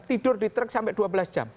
tidur di truk sampai dua belas jam